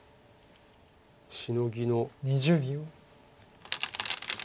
シノギの。